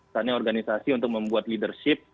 misalnya organisasi untuk membuat leadership